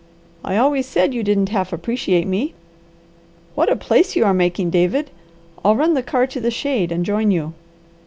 I always said you didn't half appreciate me. What a place you are making, David! I'll run the car to the shade and join you."